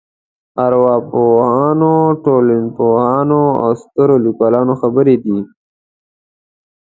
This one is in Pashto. ارواپوهانو ټولنپوهانو او سترو لیکوالانو خبرې دي.